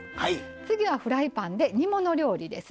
次はフライパンで煮物料理ですね。